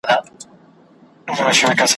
لا په منځ كي به زگېروى كله شپېلكى سو `